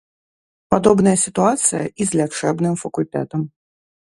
Падобная сітуацыя і з лячэбным факультэтам.